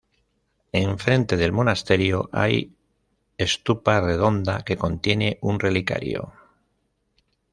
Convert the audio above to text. En frente del Monasterio hay Estupa redonda que contiene un relicario.